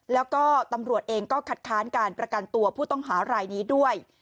แล้วก็ตำรวจเองก็คัดค้านการประกันตัวผู้ต้องหารายนี้ด้วย